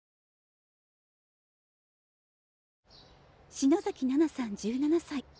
篠崎ナナさん１７歳。